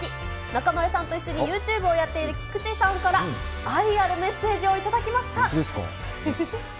中丸さんと一緒にユーチューブをやっている菊池さんから愛あるメッセージを頂きました。